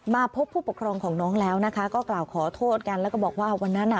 มาพบผู้ปกครองของน้องแล้วนะคะก็กล่าวขอโทษกันแล้วก็บอกว่าวันนั้นอ่ะ